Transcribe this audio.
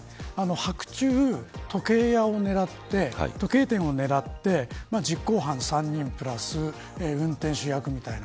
白昼、時計店を狙って実行犯３人プラス運転手役みたいな。